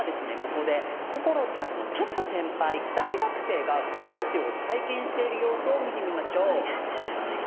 ここで心ちゃんのちょっと先輩大学生が子育てを体験している様子を見てみましょう。